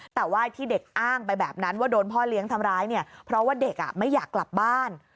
แต่ว่าที่เด็กอ้างไปแบบนั้นว่าโดนพ่อเลี้ยงทำร้ายเนี่ยเพราะว่าเด็กไม่อยากกลับบ้าน